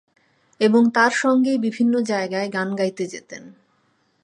এবং তার সঙ্গেই বিভিন্ন জায়গায় গান গাইতে যেতেন।